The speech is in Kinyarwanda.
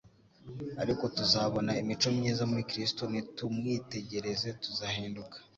Ariko tuzabona imico myiza muri Kristo; nitumwitegereza tuzahinduka.